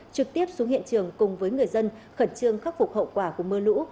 trực tiếp xuống hiện trường cùng với người dân khẩn trương khắc phục hậu quả của mưa lũ